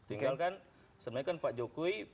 tinggalkan sebenarnya pak jokowi